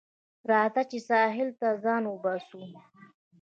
راځه چې ساحل ته ځان وباسو